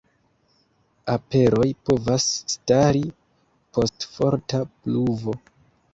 Aperoj povas stari post forta pluvo.